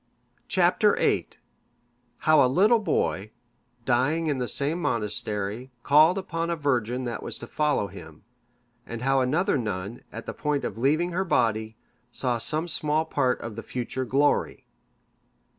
Chap. VIII. How a little boy, dying in the same monastery, called upon a virgin that was to follow him; and how another nun, at the point of leaving her body, saw some small part of the future glory.